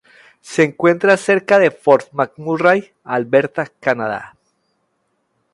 Se encuentra cerca de Fort McMurray, Alberta, Canadá.